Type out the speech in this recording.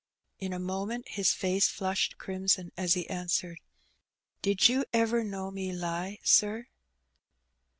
In a moment his face flushed crimson as he answered — '^Did you ever know me lie, sir?"